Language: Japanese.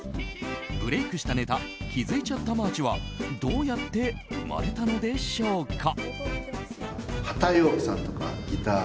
ブレークしたネタ気づいちゃったマーチはどうやって生まれたのでしょうか。